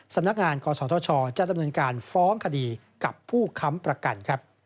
สำนักงานกศธชจะดำเนินการฟ้องคดีกับผู้ค้ำประกันครับ